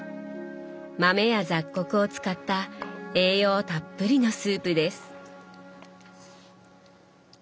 豆や雑穀を使った栄養たっぷりのスープです。